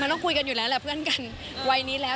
ต้องคุยกันอยู่แล้วแหละเพื่อนกันวัยนี้แล้ว